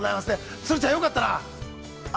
鶴ちゃんよかったなあ！